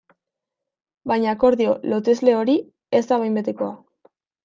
Baina akordio lotesle hori ez da behin betikoa.